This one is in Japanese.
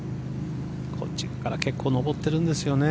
こっち側から結構上ってるんですよね。